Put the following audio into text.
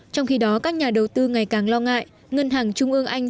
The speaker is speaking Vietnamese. trong khi đó các nhà đầu tư ngày càng lo ngại ngân hàng trung ương anh